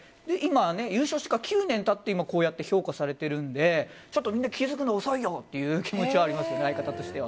優勝して９年経ってから評価されてるのでちょっとみんな気付くの遅いよっていう気持ちはあります。